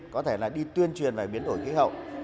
có thể là đi tuyên truyền về biến đổi khí hậu